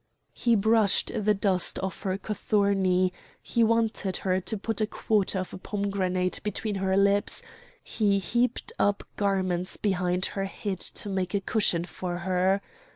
He brushed the dust off her cothurni; he wanted her to put a quarter of a pomegranate between her lips; he heaped up garments behind her head to make a cushion for her.